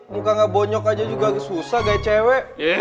muka gak boyok aja juga susah gaya cewek